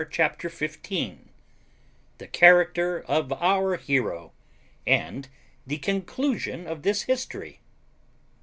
CHAPTER FIFTEEN THE CHARACTER OF OUR HERO, AND THE CONCLUSION OF THIS HISTORY.